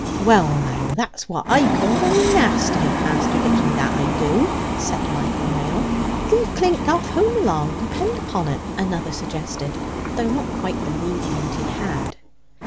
"Well now, that's what I call very nasty of Master Dicky, that I do," said Michael Mail. "He've clinked off home along, depend upon't," another suggested, though not quite believing that he had.